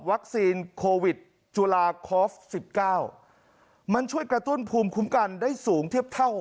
โควิดจุฬาคอฟ๑๙มันช่วยกระตุ้นภูมิคุ้มกันได้สูงเทียบเท่า